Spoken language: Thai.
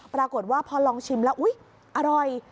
ปรากฏว่าพอลองชิมแล้วอุ๊ยอร่อย